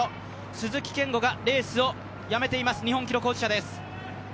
鈴木健吾がレースをやめています、日本記録保持者です。